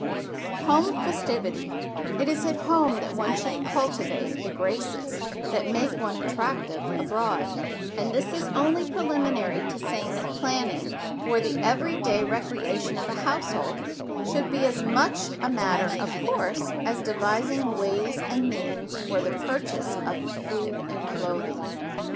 [Sidenote: HOME FESTIVITY] It is at home that one should cultivate the graces that make one attractive abroad; and this is only preliminary to saying that planning for the every day recreation of a household should be as much a matter of course as devising ways and means for the purchase of food and clothing.